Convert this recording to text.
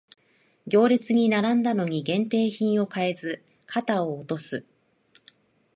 行列に並んだのに限定品を買えず肩を落とす